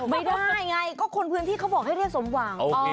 ไม่ได้ไงก็คนพื้นที่เขาบอกให้เรียกสมหวัง